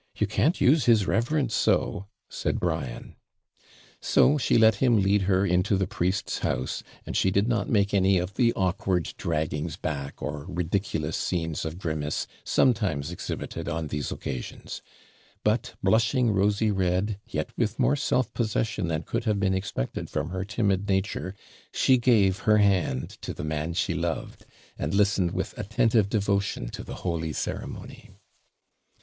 You can't use his reverence so.' said Brian. So she let him lead her into the priest's house, and she did not make any of the awkward draggings back, or ridiculous scenes of grimace sometimes exhibited on these occasions; but blushing rosy red, yet with more self possession than could have been expected from her timid nature, she gave her hand to the man she loved, and listened with attentive devotion to the holy ceremony.